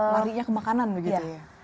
larinya ke makanan begitu ya